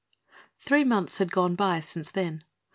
Three months had gone by since then.